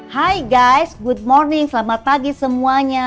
hai guys good morning selamat pagi semuanya